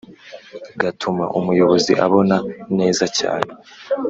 gatuma umuyobozi abona neza cyane.